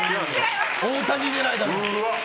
大谷狙いだろ！